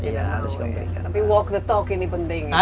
tapi walk the talk ini penting